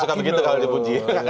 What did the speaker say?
suka begitu kalau dipuji